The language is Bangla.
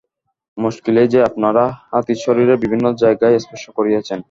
মুশকিল এই যে, আপনারা হাতীর শরীরের বিভিন্ন জায়গায় স্পর্শ করিয়াছেন।